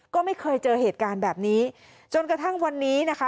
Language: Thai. ก็ไม่เคยเจอเหตุการณ์แบบนี้จนกระทั่งวันนี้นะคะ